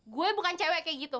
gue bukan cewek kayak gitu